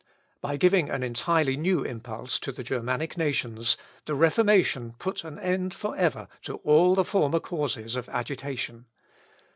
By giving an entirely new impulse to the Germanic nations, the Reformation put an end for ever to all the former causes of agitation.